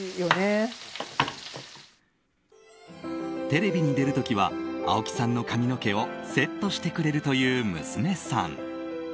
テレビに出る時は青木さんの髪の毛をセットしてくれるという娘さん。